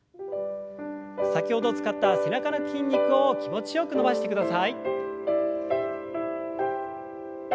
先ほど使った背中の筋肉を気持ちよく伸ばしてください。